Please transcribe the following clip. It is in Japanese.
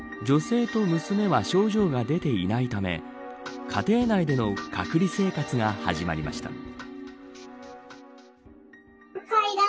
女性と娘は症状が出ていないため家庭内での隔離生活が始まりました。